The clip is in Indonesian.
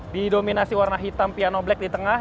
didominasi warna hitam piano black di tengah